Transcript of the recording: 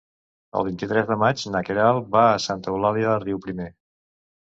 El vint-i-tres de maig na Queralt va a Santa Eulàlia de Riuprimer.